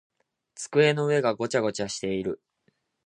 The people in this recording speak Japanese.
机の上がごちゃごちゃしている。